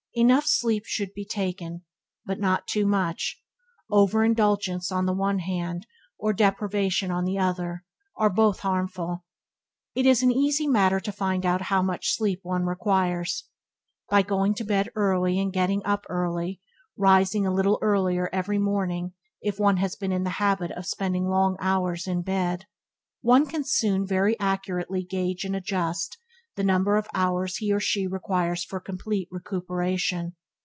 Enough sleep should be taken, but not too much, over indulgence on the one hand, or deprivation on the other, are both harmful. It is an easy matter to find out how much sleep one requires. By going to bed early, and getting up early (rising a little earlier every morning if one has been in the habit of spending long hours in bed), one can very soon accurately gauge and adjust the number of hours he or she requires for complete recuperation.